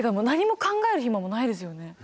何も考える暇もないですよね。